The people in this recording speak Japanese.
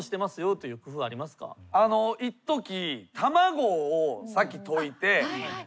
いっとき。